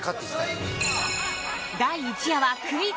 第１夜はクイズ！